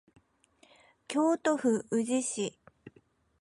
京都府宇治市